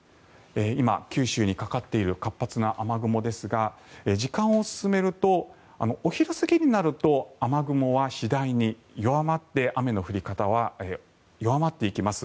今、九州にかかっている活発な雨雲ですが時間を進めるとお昼過ぎになると雨雲は次第に弱まって雨の降り方は弱まっていきます。